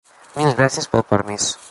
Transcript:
Mil gràcies pel permís.